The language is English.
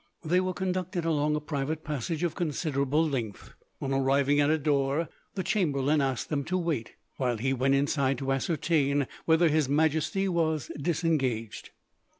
They were conducted along a private passage, of considerable length. On arriving at a door, the chamberlain asked them to wait, while he went inside to ascertain whether His Majesty was disengaged.